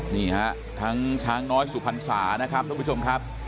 นี่ฮะทั้งช้างน้อยสุพรรษานะครับทุกผู้ชมครับ